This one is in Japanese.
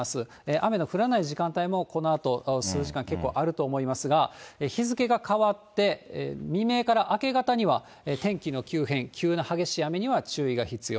雨の降らない時間帯もこのあと数時間、結構あると思いますが、日付が変わって、未明から明け方には天気の急変、急な激しい雨には注意が必要。